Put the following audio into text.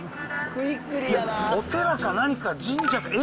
お寺か何か、神社か。